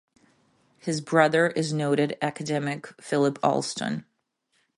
His brother is noted academic Philip Alston.